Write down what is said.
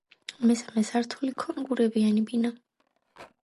მესამე სართული ქონგურებიანი ბანია.